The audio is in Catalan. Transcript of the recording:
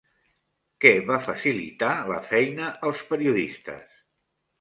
Què va facilitar la feina als periodistes?